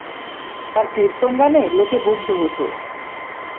তার কীর্তন গানে লোকে মুগ্ধ হত।